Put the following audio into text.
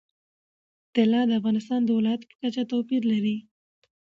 طلا د افغانستان د ولایاتو په کچه توپیر لري.